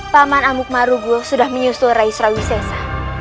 paman amuk marugul sudah menyusul rais rawi sese